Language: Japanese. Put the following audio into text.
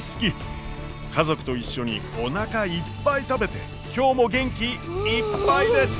家族と一緒におなかいっぱい食べて今日も元気いっぱいです！